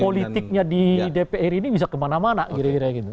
politiknya di dpr ini bisa kemana mana kira kira gitu